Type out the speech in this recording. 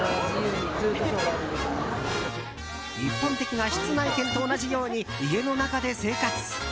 一般的な室内犬と同じように家の中で生活。